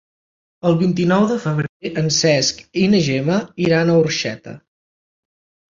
El vint-i-nou de febrer en Cesc i na Gemma iran a Orxeta.